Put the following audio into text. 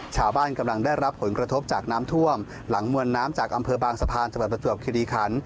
กำลังได้รับผลกระทบจากน้ำท่วมหลังมวลน้ำจากอำเภอบางสะพานจังหวัดประจวบคิริคัน